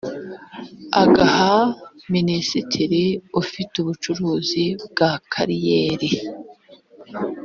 agaha minisitiri ufite ubucukuzi bwa kariyeri